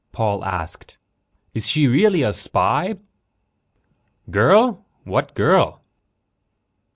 Paul asked. "Is she really a spy?" "Girl? What girl?"